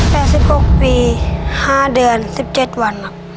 สิบหกปีห้าเดือนสิบเจ็ดวันครับ